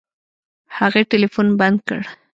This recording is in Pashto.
هغې ټلفون بند کړ.